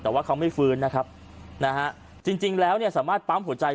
แต่ว่าเขาไม่ฟื้นนะครับนะฮะจริงแล้วเนี่ยสามารถปั๊มหัวใจ